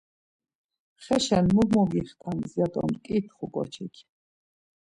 Xeşen mu mogixtams? ya do mǩitxu ǩoçik.